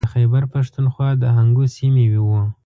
د خیبر پښتونخوا د هنګو سیمې و.